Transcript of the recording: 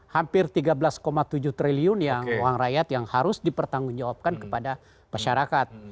hampir tiga belas tujuh triliun yang uang rakyat yang harus dipertanggungjawabkan kepada masyarakat